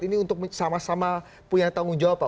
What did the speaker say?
ini untuk sama sama punya tanggung jawab pak